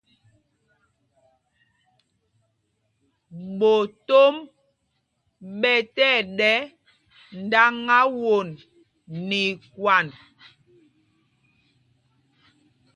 Ɓotom ɓɛ tí ɛɗɛ ndáŋá won nɛ ikwand.